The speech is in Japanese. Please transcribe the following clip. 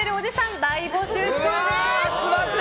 大募集中です。